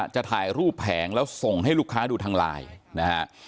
จะถ่ายรูปแผงแล้วส่งให้ลูกค้าดูทางไลน์นะฮะ